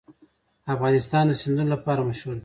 افغانستان د سیندونه لپاره مشهور دی.